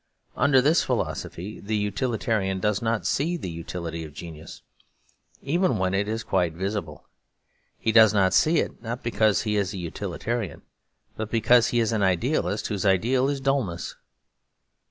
Under this philosophy the utilitarian does not see the utility of genius, even when it is quite visible. He does not see it, not because he is a utilitarian, but because he is an idealist whose ideal is dullness.